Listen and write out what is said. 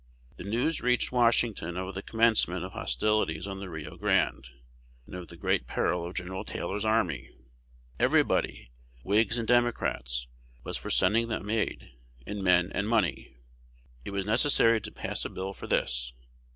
The news reached Washington of the commencement of hostilities on the Rio Grande, and of the great peril of Gen. Taylor's army. Everybody, Whigs and Democrats, was for sending them aid, in men and money. It was necessary to pass a bill for this.